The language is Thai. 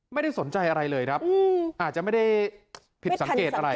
ไม่ได้สนใจอะไรเลยครับอาจจะไม่ได้ผิดสังเกตอะไร